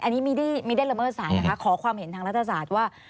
อันนี้ไม่ได้ละเมิดศาลนะคะขอความเห็นทางรัฐศาสตร์ว่า